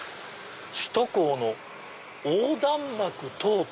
「首都高の横断幕トート」。